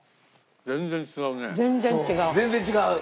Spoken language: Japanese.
全然違う。